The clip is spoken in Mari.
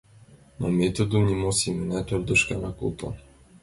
Но ме тудым нимо семынат ӧрдыжкӧ она колто.